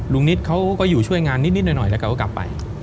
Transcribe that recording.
นิดเขาก็อยู่ช่วยงานนิดหน่อยแล้วเขาก็กลับไป